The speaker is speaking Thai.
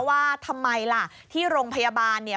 ว่าทำไมล่ะที่โรงพยาบาลเนี่ย